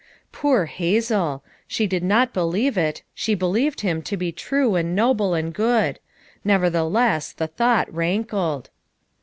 Poor Hazel! she did not believe it, she be lieved him to be true and noble and good; nevertheless the thought rankled.